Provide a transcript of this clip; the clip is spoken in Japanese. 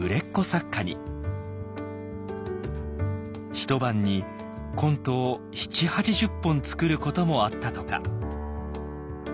ひと晩にコントを７０８０本作ることもあったとか。